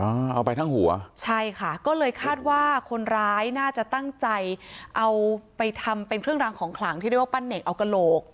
เอาไปทั้งหัวใช่ค่ะก็เลยคาดว่าคนร้ายน่าจะตั้งใจเอาไปทำเป็นเครื่องรางของขลังที่เรียกว่าปั้นเนกเอากระโหลก